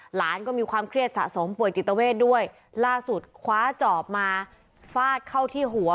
หลานก็มีความเครียดสะสมป่วยจิตเวทด้วยล่าสุดคว้าจอบมาฟาดเข้าที่หัว